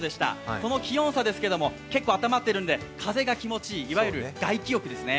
この気温差ですけれども結構温まってるので、風が気持ちいい、いわゆる外気浴ですね。